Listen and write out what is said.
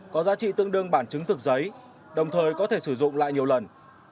có giá trị tương đương bản chứng thực giấy đồng thời có thể sử dụng lại nhiều lần